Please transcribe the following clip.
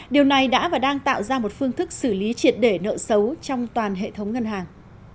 điều này đã và đang tạo ra một phương thức xử lý triệt để nợ xấu trong toàn hệ thống ngân hàng